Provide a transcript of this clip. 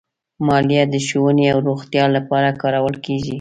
مالیه د ښوونې او روغتیا لپاره کارول کېږي.